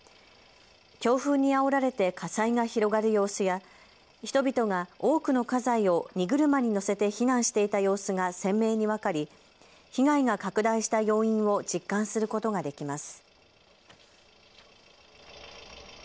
強風にあおられて火災が広がる様子や人々が多くの家財を荷車に載せて避難していた様子が鮮明に分かり被害が拡大した要因を実感することができます。